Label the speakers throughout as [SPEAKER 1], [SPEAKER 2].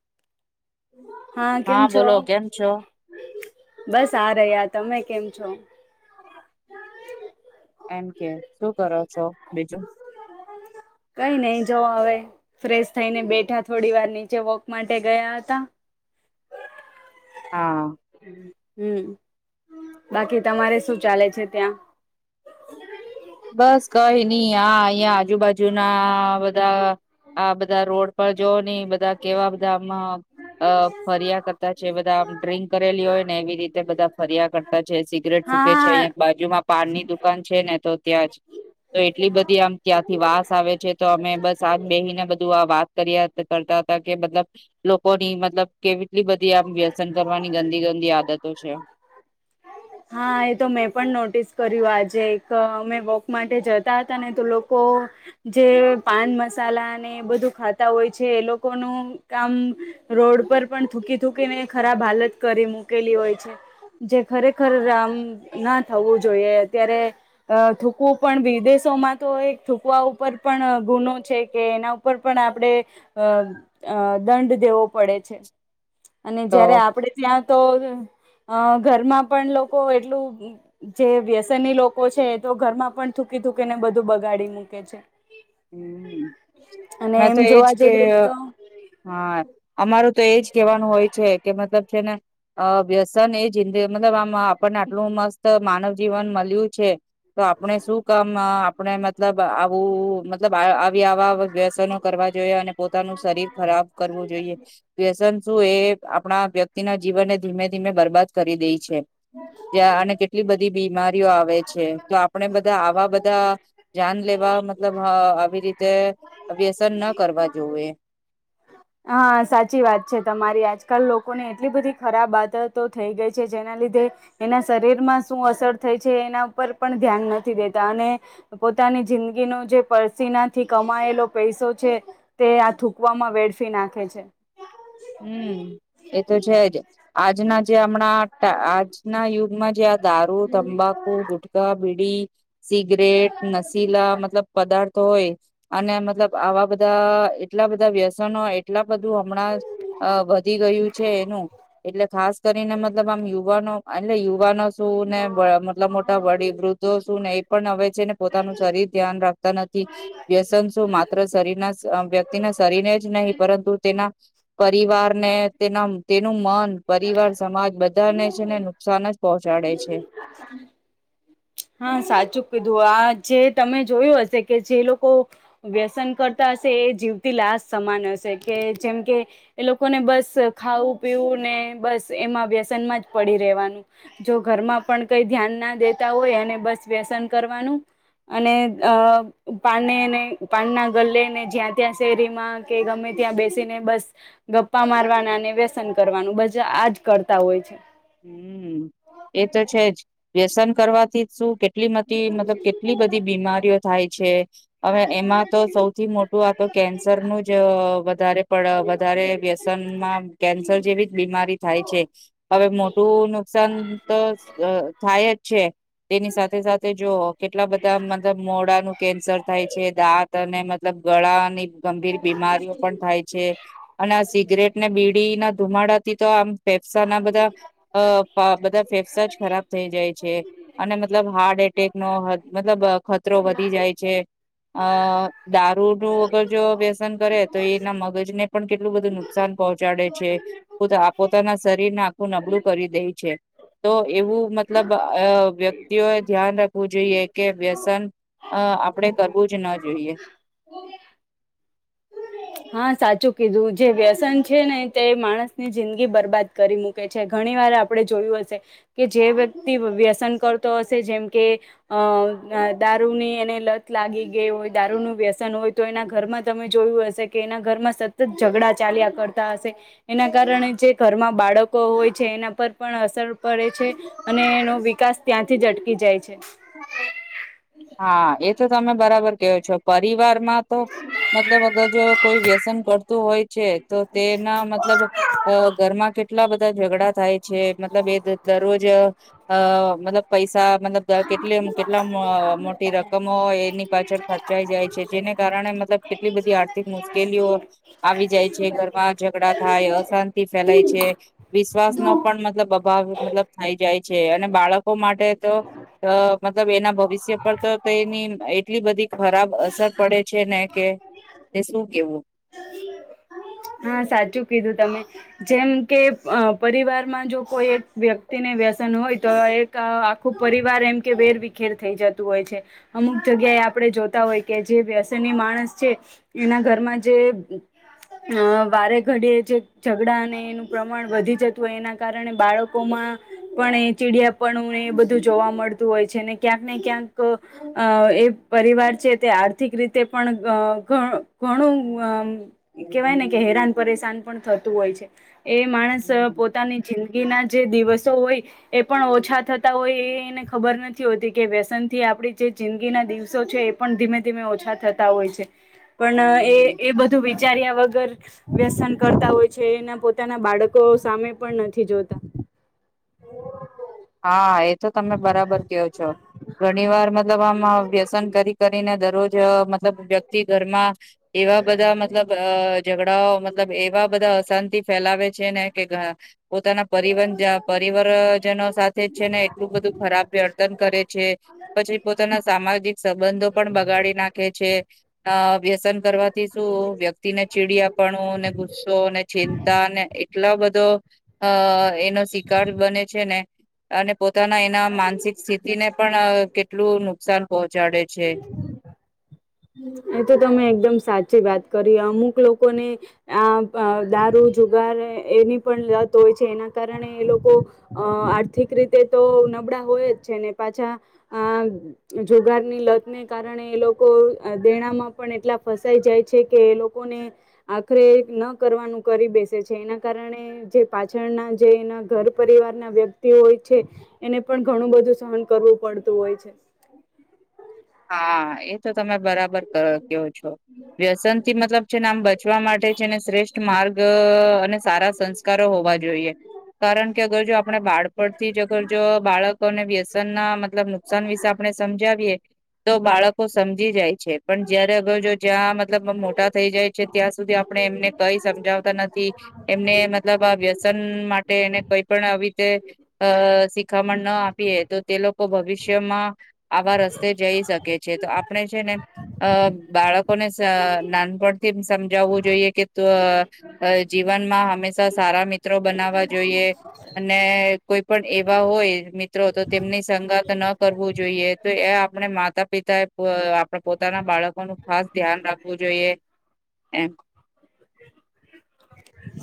[SPEAKER 1] [inaudible] હા કેમ છો?
[SPEAKER 2] બોલો કેમ છો
[SPEAKER 1] બસ આ રહ્યા તમે કેમ છો?
[SPEAKER 2] એમ કે શું કરો છો બીજું?
[SPEAKER 1] [inaudible] કઈ નઈ જઓ હવે ફ્રેશ થઈને બેઠા થોડી વાર નીચે વોક માટે ગયા હતા.
[SPEAKER 2] હા
[SPEAKER 1] હમ હમ બાકી તમારે શું ચાલે છે ત્યાં
[SPEAKER 2] બસ કઈ ની આ અહિયાં આજુબાજુના બધા આ બધા રોડ પર જોની બધા કેવા બધા આમાં અ ફર્યા કરતા છે બધા ડ્રિંક કરેલી હોયને એવી રીતે બધા ફર્યા કરતા છે સિગરેટ ફુકે છે
[SPEAKER 1] હા
[SPEAKER 2] અંયા બાજુમાં પાનની દુકાન છે ને તો ત્યાં જ તો એટલી બધી આમ ત્યાંથી વાસ આવે છે તો અમે બસ આજ બેહીને બધું આ વાત કરીયા કરતા તા કે મતલબ લોકોની મતલબ કેવી એટલી બધી આમ વ્યસન કરવાની ગંદી ગંદી આદતો છે.
[SPEAKER 1] હા એ તો મેં પણ નોટિસ કર્યું આજે એક અમે વોક માટે જતા હતા ને તો લોકો જે પાન મસાલા ને એ બધું ખાતા હોય છે. એ લોકોનું કામ રોડ પર પણ થૂકી થૂકીને ખરાબ હાલત કરી મૂકેલી હોય છે. જે ખરેખર [unintelligible] રામ ના થવું જોઈએ. અત્યારે થૂકવું પણ વિદેશોમાં તો થૂકવા ઉપર પણ ગુનો છે કે એના ઉપર પણ આપણે અ અ દંડ દેવો પડે છે. અને જયારે
[SPEAKER 2] તો
[SPEAKER 1] આપડે ત્યાં તો અ ઘરમાં પણ લોકો એટલું જે વ્યસનની લોકો છે એ તો ઘરમાં પણ થૂકી [unintelligible] બધું બગાડી મૂકે છે.
[SPEAKER 2] હમ.
[SPEAKER 1] અને
[SPEAKER 2] મે તો
[SPEAKER 1] એમ
[SPEAKER 2] એજ
[SPEAKER 1] જોવા
[SPEAKER 2] કે
[SPEAKER 1] જઈએ તો
[SPEAKER 2] હા અમારું તો એજ કેવાનું હોય છે કે મતલબ જેને અ વ્યસન એ જિંદગ મતલબ આમ આપણને આટલું મસ્ત માનવ જીવન મલ્યું છે. આપણે શું કામ આપણે મતલબ આવું મતલબ આવી આવા કરવા જોઈએ. અને પોતાનું શરીર ખરાબ કરવું જોઈએ. વ્યસન શું એ આપણા વ્યક્તિના જીવનને ધીમે ધીમે બરબાદ કરી દેઈ છે. ત્યાં અને કેટલી બધી બીમારી આવે છે. તો આપણે બધા આવા બધા જાન લેવા મતલબ હ આવી રીતે વ્યસન ન કરવા જોવે.
[SPEAKER 1] હા સાચી વાત છે તમારી. આજકાલ લોકોને એટલી બધી ખરાબ આદ તો થઈ ગઈ છે. જેના લ એના શરીરમાં શું અસર થાય છે. એના ઉપર પણ ધ્યાન નથી દેતા અને પોતા ની જિંદગીનો જે પરસીનાથી કમાયેલો પૈસો છે તે આ થૂકવામાં વેડ ફી નાખે છે.
[SPEAKER 2] હમ. એતો છે જ આજના જે અમણાં આજના યુગમાં જે દારૂ, તંબાકુ, ગુટખા, બીડી, સિગરેટ, નશીલા મતલબ પદાર્થ હોય અને મતલબ આવા બધા એટલા બધા વ્યસનો એટલા બધું અમણાં વધી ગયું છે. એનું એટલે ખાસ કરીને મતલબ આમ યુવાનો એટલે યુવાનો શું ને મતલબ મોટા વડી વૃદ્ધો શું ને એ પણ અવે છે ને પોતાનું શરીર ધ્યાન રાખ નથી. વ્યસન શું માત્ર શરીરના વ્યક્તિના શરીરને જ નહીં પરંતુ તેના પરિવાર ને તેના તેનું મન પરિવાર સમાજ બધાને છે ને નુકસાન જ પહોંચાડે છે.
[SPEAKER 1] હા સાચું કીધું. આ જે તમે જોયું હશે કે જે લોકો વ્યસન કરતા એ જીવતી લાશ સમાન હશે કે જેમ કે એ લોકોને બસ ખાવું પીવું ને બસ એમાં વ્યસન માં જ પડી રેવાનું. જો ઘરમાં પણ કઈ ધ્યાન ના દેતા હોય બસ વ્યસન કરવાનું અને અ પાનેને પાનના ગલેને જ્યાં ત્યાં શેરીમાં કે ગમે ત્યાં બેસીને બસ ગપ્પા મારવાના અને વ્યસન કરવાનું બજા આજ કરતા હોય છે.
[SPEAKER 2] હમ. એ તો છે જ વ્યસન કરવાથી શું કેટલા [unintelligible] મતલબ કેટલી બધી બીમારીઓ થાય છે. અવે એમાં તો સૌથી મોટું આતો કેન્સર નું જ વધારે પડ વધારે વ્યસનમાં કેન્સર જેવી જ બીમારી થાય છે. અવે મોટું નુકસાન તો થાય જ છે. તેની સાથે સાથે જો કેટલા બધા મતલબ મોડાનું કેન્સર થાય છે. દાંત અને મતલબ ગળા અને ગંભીર બીમારીઓ પણ થાય છે. અને આ સિગરેટ ને બીડી ના ધુમાડા થી તો આમ ફેફસા ના બધા અ બધા ફેફસા જ ખરાબ થઈ જાય છે. અને મતલબ હાર્ટ એટેક નો મતલબ ખતરો વધી જાય છે. અ દારૂ નું વગર જો વ્યસન કરે તો એના મગજ ને પણ કેટલું બધું નુકસાન પહોંચાડે છે. પોતાના શરીરને આખું નબળું કરી દે છે. તો એવું મતલબ વ્યક્તિઓએ ધ્યાન રાખવું જોઈએ કે વ્યસન અ આપણેે કરવું જ ન જોઈએ.
[SPEAKER 1] ઓ. હા સાચું કીધું જે વ્યસન છે ને તે માણસની જિંદગી બરબાદ કરી મૂકે છે ઘણી વાર આ આપણે જોયું હશે કે જે વ્યક્તિ વ વ્યસન કરતો હશે જેમ કે અ આ દારૂ ની એને લત લાગી ગઈ હોય દારૂનું વ્યસન હોય તો એના ઘરમાં તમે જોયું હશે કે એના ઘરમાં સતત ઝઘડા ચાલ્યા કરતા હશે એના કારણે જે ઘરમાં બાળકો હોય છે. એના પર પણ અસર પડે છે અને એનો વિકાસ ત્યાંથી જ અટકી જાય છે.
[SPEAKER 2] હા એ તો તમે બરાબર કેહો છો પરિવારમાં તો મતલબ અગર જો કોઈ વ્યસન કરતું હોય છે તો તેના મતલબ અ ઘરમાં કેટ ટલા બધા ઝઘડા થાય છે મતલબ એ દ દરરોજ અ મતલબ પૈસા મતલબ દ કેટલી કેટલા મ રકમો હોય એની પાછળ ખર્ચાઈ જાય છે જેને કારણે મતલબ કેટલી બધી આર્થિક મુશ્કેલીઓ આવી જાય છે ઘરમાં ઝઘડા થા ય અશાંતિ ફેલાય છે વિશ્વાસ નો પણ મતલબ અભાવ મતલબ થઈ જાય છે અને બાળ ળકો માટે તો અ મતલબ એના ભવિષ્ય પર તો તેની એટલી બધી ખરાબ અસર પડે છે ને કે એ શું કેવું.
[SPEAKER 1] અને. હા સાચું કીધું તમે જેમ કે અ પરિવારમાં જો કોઈ એક વ્યક્તિને વ્યસ અન હોય તો એક આખું પરિવાર એમ કે વેર વિખેર થઈ જતું હોય છે અમુક જગ્યાએ આપણે જોતા હોય કે જે વ્યસનની માણસ છે એના ઘરમાં જે અ વારે ઘડીએ જ ઝઘડા અને એનું પ્રમાણ વધી જતું હોય એના કારણે બાળકોમાં પણ ચીડિયાપણું એ બધું જોવા મળતું હોય છે ને ક્યાંક ને ક્યાંક અ એ પરી વાર છે તે આર્થિક રીતે પણ ધ ધ ઘણું અમ કેવાયને કે હેરાન પરેશાન પણ થતું હોય છે એ માણસ
[SPEAKER 2] હમ
[SPEAKER 1] પોતાની જિંદગી ના જે દિવસો હોય એ પણ ઓછા થતા હોય એને ખબર નથી હોતી કે વ્યસન થી આપડી જે જિંદગી ના દિવસો છે એ પણ ધીમે ધીમે ઓછા થતા હોય છે પણ એ
[SPEAKER 2] હમ.
[SPEAKER 1] એ બધું વિચાર્યા વગર વ્યસન કરતા હોય છે એના પોતાના બાળકો સામે પણ નથી જોતા [inaudible]
[SPEAKER 2] હા એ તો તમે બરાબર કેહો છો ઘણી વાર મતલબ આમ અ વ્યસન કરી ક રી ને દરરોજ અ મતલબ વ્યક્તિ ઘરમાં એવા બધા મતલબ અ ઝઘડાઓ મતલબ એવા બધા શાંતિ ફેલાવે છે ને કે ઘ પોતાના પરિવન જ પરીવરજનો સા થે છે ને એટલું બધું ખરાબ વ્યર્તન કરે છે પછી પોતાના સામાજિક સંબંધો પણ બગાડે ડી નાખે છે અ વ્યસન કરવાથી શું વ્યક્તિને ચીડીયાપણુ ને ગુસ્સો ને ચિંતા ને એટલો બધો અ એનો શિકાર બને છે ને અને પોતાના એના માનસિક સ્થિતિ ને પણ કેટલું નુકસાન પહોંચાડે છે.
[SPEAKER 1] એ તો તમે એકદમ સાચી વાત કરી અમુક લોકોને આ અ દારૂ જો દ્વારે એની પણ લત હોય છે એના કારણે એ લોકો અ આર્થિક રીતે તો નબ કપડા હોય જ છે ને પાછા અ જોગારની લત ને કારણે એ લોકો દેણામાં પણ એટલા ફસાઈ જાય છે કે એ લોકોને આખરે ન કરવાનું કરીદે છે એના કારણે જે પાછળના જે એના ઘર પરિવાર ના વ્યક્તિ હોય છે એને પણ ઘણું બધું સહન કરવું પડતું હોય છે.
[SPEAKER 2] હા એ તો તમે બરાબર કરો કેવો છો વ્યસન થી મતલબ છેને આમ બ ચવા માટે છેને શ્રેષ્ઠ માર્ગ અ અને સારા સંસ્કારો હોવા જોઈએ કારણ કે અગર જો આપણે બાળપણથી જ અગર જો બાળકોને વ્યસ ન ના મતલબ નુકસાન વિશે આપણે સમજાવીએ તો બાળકો સમજી જાય છે પણ જયારે અગર જો જ્યાં મતલબ મોટા થઈ જાય છે ત્યાં સુધી આપ આપણે એમને કઈ સમજાવતા નથી એમને મતલબ આ વ્યસન માટે એને કઈ પણ આવી રીતે અ શીખામણ ન આપીએ તો તે લોકો ભવિષ્યમાં આવા રસ્તે જઈ શકે છે તો આપણે છે ને અ બાળકોને નાનપણથી સમજાવવું જોઈએ કે તો જી વનમાં હંમેશા સારા મિત્રો બનાવવા જોઈએ, અને કોઈ પણ એવા હોય મિત્રો તો તેમની સંગાત ન કરવું જોઈએ તો એ આ પણે માતા પિતાએ આપણા પોતાના બાળકોનું ખાસ ધ્યાન રાખવું જોઈએ. એમ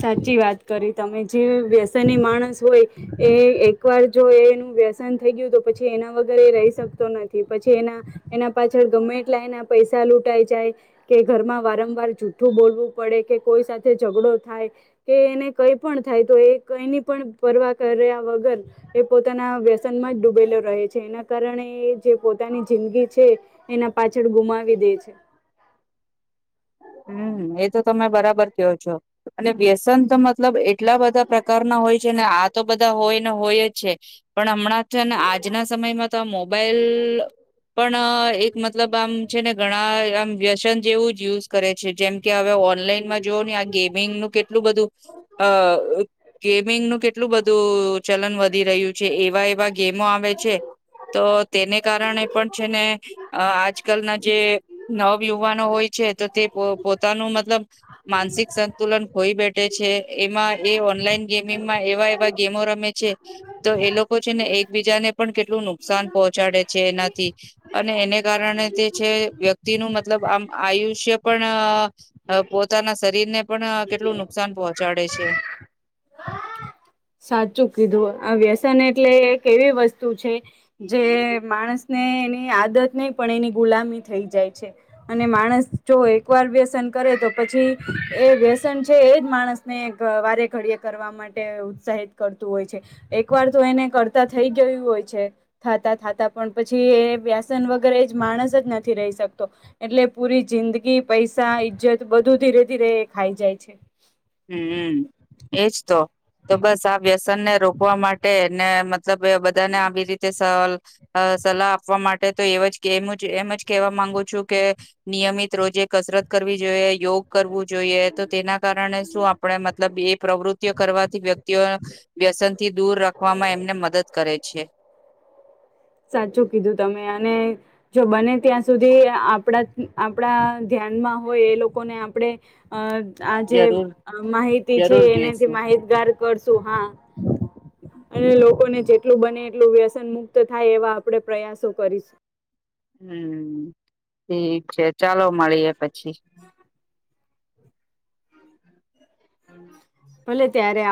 [SPEAKER 1] સાચી વાત કરી તમે જે વ્યસની માણસ હોય એ એક વાર જો એ વ્યસન થઈ ગયું તો પછી એના વગર એ રહી શકતો નથી પછી એના એના પાછળ ગમે લ પૈસા લૂંટાઈ જાય કે ઘરમાં વારંવાર જુઠ્ઠું બોલવું પડે કે કોઈ સાથે ઝઘડો થાય કે એને કઈ પણ થાય તો એ કઈની પણ પરવા કર્યા વગર એ પોતાના વ્યસનમાં જ ડૂબેલો રહે છે એના કારણે જે પોતાની જિંદગી છે એના પાછળ ગુ ગુમાવી દે છે.
[SPEAKER 2] હમ એ તો તમે બરાબર કહો છો અને વ્યસન તો મતલબ કેટલા બધા પ્રકારના હોય છે ને આ તો બધા હોય ને હોય જ છે પણ હમણાં થ ને આજના સમયમાં તો આ મોબાઈલ પણ એક મતલબ આમ છે ને ઘણા આમ વ્યસન જેવું જયુ કરે છે જેમ કે હવે ઓનલાઈનમાં જોઓ ને આ ગેમિંગ નું કેટલું બધું અ ગેમિંગનું કેટલું બધું ચલન વધી રહ્યું છે એવા એવા ગેમ માં આવે છે. તો તેને કારણે પણ છે ને આજકાલના જે નવ યુવાનો હોય છે. પોતાનું મતલબ માનસિક સંતુલન ખોઈ બેઠે છે એમાં એ ઓનલાઈન ગેમીગ એવા એવા ગેમો રમે છે તો એ લોકો છે ને એકબીજાને પણ કેટલું નુકસાન પહોંચાડે છે એનાથી અને એને કારણે તે છે વ્યક્તિ નું મતલબ આમ આયુ આયુષ્ય પણ પોતાના શરીરને પણ કેટલું નુકસાન પહોંચાડે છે.
[SPEAKER 1] સાચું કીધું આ વ્યસન એટલે એક એવી વસ્તુ છે જે માણસને એની આદત નહી પણ એની ગુલામી થઈ જાય છે અને માણસ જો એકવાર વ્યસન કરે તો પછી એ વ્યસન છે એજ માણસ ને વારે ઘડીએ કરવા માટે હિત કરતું હોય છે એક વાર તો એને કરતા થઈ ગયું હોય છે થતા થતા પણ પછી. વ્યાસન વગેરે માણસ જ નથી રહી શકતો એટલે પૂરી જિંદગી પૈસા બધું ધીરે ધીરે ખાઈ જાય છે.
[SPEAKER 2] હમમ એજ તો તો બસ આ વ્યસનને રોકવા માટે ને મતલબ બધા ને આવી રીતે સહલ અ સલાહ આપવા માટે તો એ એમ જ કેવા માંગુ છું કે નિયમિત રોજે કસરત કરવી જોઈએ યોગ કરવું જોઈએ તો તેના કારણે આપણે મતલબ એ પ્રવૃતિઓ કરવાથી વ્યક્તિઓ વ્યસન થી દૂર રાખવામાં એમને મદદ કરે છે.
[SPEAKER 1] [inaudible] સાચું કીધું તમે અને જો બને ત્યાં સુધી આપણા આપણા ધ્યાન હોય એ લોકોને આપણે અ આ જે
[SPEAKER 2] જરૂર
[SPEAKER 1] માહિતી છે
[SPEAKER 2] જરૂર
[SPEAKER 1] એનેથી
[SPEAKER 2] કહેશું.
[SPEAKER 1] માહિતગાર કરશું હા અને લોકોને જેટલું બને એટલું વ્યસન મુક્ત થાય એવા આપણે પ્રયાસો કરીશું.
[SPEAKER 2] હમ ઠીક છે ચાલો મળીએ પછી‌.
[SPEAKER 1] ભલે ત્યારે આવ